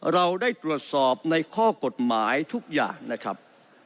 เราได้ตรวจสอบในข้อกฎหมายทุกอย่างนะครับ